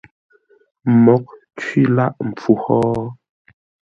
Mǒghʼ cwî lâʼ mpfu hó?